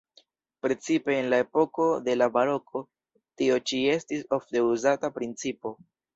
Precipe en la epoko de la baroko tio ĉi estis ofte uzata principo.